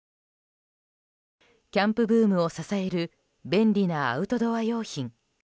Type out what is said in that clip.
キャンプブームを支える便利なアウトドア用品。